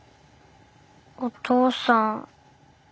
お父さん。